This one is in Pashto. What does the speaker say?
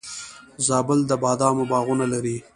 زابل د بادامو باغونه لري